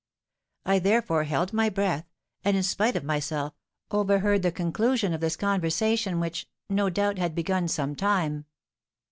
I, therefore, held my breath, and in spite of myself, overheard the conclusion of this conversation which, no doubt had begun some time."